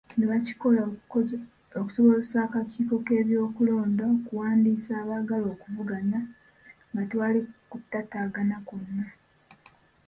Kino bakikola okusobozesa akakiiko k'ebyokulonda okuwandiisa abaagala okuvuganya nga tewali kutaataagana kwonna.